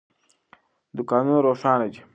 دوکانونه روښانه دي.